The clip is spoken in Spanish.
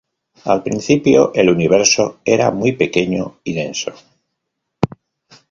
Al principio, el universo era muy pequeño y denso.